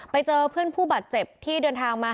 ไปเจอเพื่อนผู้บาดเจ็บที่เดินทางมา